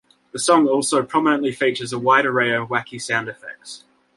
The song also prominently features a wide array of wacky sound effects.